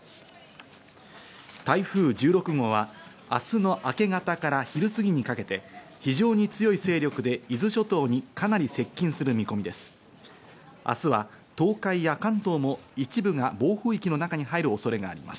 台風１６号は明日の明け方から昼過ぎにかけて非常に強い勢力で伊豆諸島にかなり接近する見込みです。